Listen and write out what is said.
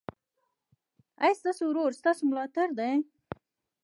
ایا ستاسو ورور ستاسو ملاتړ دی؟